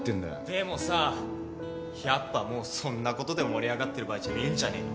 でもさやっぱもうそんなことで盛り上がってる場合じゃねえんじゃねえの？